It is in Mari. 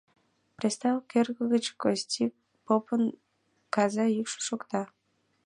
Престол кӧргӧ гыч Кости попын каза йӱкшӧ шокта.